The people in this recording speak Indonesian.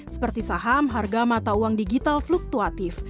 seperti saham harga mata uang digital fluktuatif